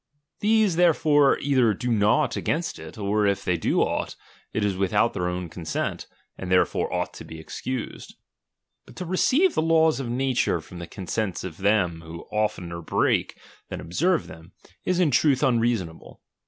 These therefore either do nought against it, or if they do aught, it is without their own consent, and tiierefore ought to be excused. But to receive tlie laws of nature from the consents of them who oftener break than observe them, is in truth un reasonable.